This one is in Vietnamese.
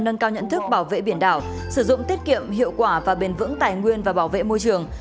nâng cao nhận thức bảo vệ biển đảo sử dụng tiết kiệm hiệu quả và bền vững tài nguyên và bảo vệ môi trường